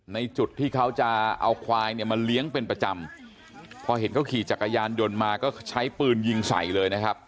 ในจุดที่เขาจะเอาควายเนี่ยมาเลี้ยงเป็นประจำพอเห็นเขาขี่จักรยานยนต์มาก็ใช้ปืนยิงใส่เลยนะครับ